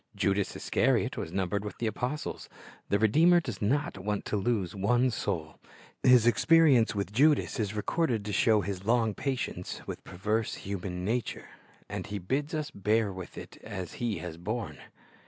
Judas Iscariot was numbered with the apostles. The Redeemer does not want to lose one soul; His experience with Judas is recorded to show His long patience with perverse human nature; and He bids us bear with it as He has borne.